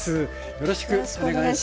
よろしくお願いします。